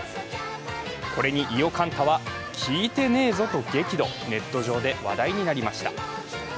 これに伊予柑太は聞いてねーぞと激怒、ネット上で話題になりました。